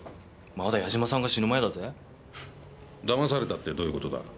まだ矢島さんが死ぬ前だぜだまされたってどういうことだ？